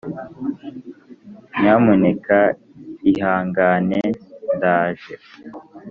nyamuneka ihangane.ndaje